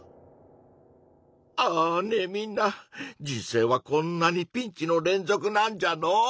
あねえみんな人生はこんなにピンチの連続なんじゃの。